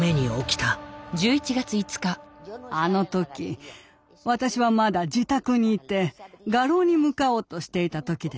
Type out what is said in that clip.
あの時私はまだ自宅に居て画廊に向かおうとしていた時でした。